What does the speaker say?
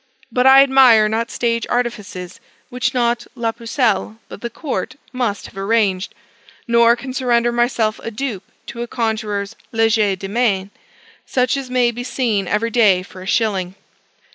But I admire not stage artifices, which not La Pucelle, but the Court, must have arranged; nor can surrender myself a dupe to a conjuror's leger de main, such as may be seen every day for a shilling.